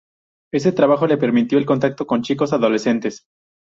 Ese trabajo le permitió el contacto con chicos adolescentes.